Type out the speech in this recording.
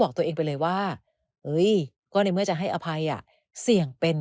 บอกตัวเองไปเลยว่าก็ในเมื่อจะให้อภัยอ่ะเสี่ยงเป็น